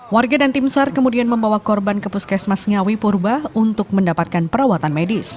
warga dan tim sar kemudian membawa korban ke puskesmas ngawi purba untuk mendapatkan perawatan medis